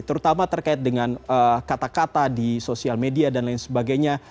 terutama terkait dengan kata kata di sosial media dan lain sebagainya